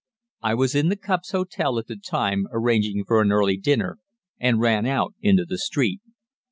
I was in the Cups Hotel at the time arranging for an early dinner, and ran out into the street.